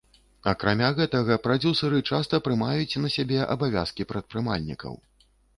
Акрамя гэтага, прадзюсары часта прымаюць на сябе абавязкі прадпрымальнікаў.